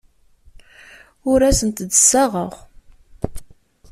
Ur asent-d-ssaɣeɣ.